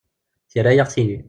Yerra-yaɣ tili.